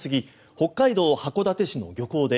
北海道函館市の漁港で